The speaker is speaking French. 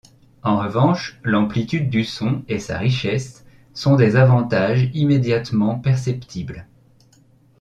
En revanche, l'amplitude du son et sa richesse sont des avantages immédiatement perceptibles.